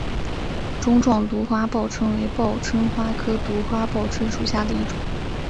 钟状独花报春为报春花科独花报春属下的一个种。